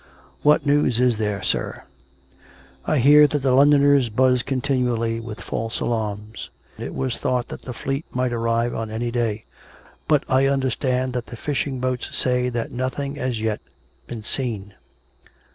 " What news is there, sir ?"" I hear that the Londoners buzz continually with false alarms. It was thought that the fleet might arrive on any day; but I understand that the fishing boats say that nothing has yet been seen.